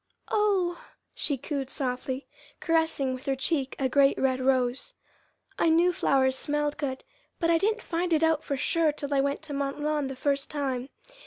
"Oh!" she cooed softly, caressing with her cheek a great red rose. "I knew flowers smelled good, but I didn't find it out for sure till I went to Mont Lawn that first time.